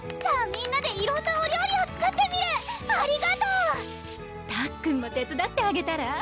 みんなで色んなお料理を作ってみるありがとうたっくんも手つだってあげたら？